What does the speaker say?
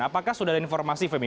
apakah sudah ada informasi femi